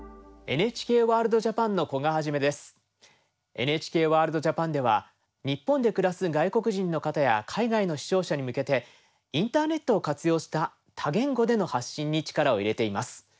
「ＮＨＫワールドＪＡＰＡＮ」では日本で暮らす外国人の方や海外の視聴者に向けてインターネットを活用した多言語での発信に力を入れています。